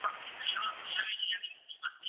موږ باید په رښتینې مینه زده کړه وکړو.